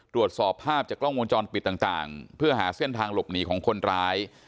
ตรวจสอบภาพจากกล้องวงจรปิดต่างเพื่อหาเส้นทางหลบหนีของคนร้าย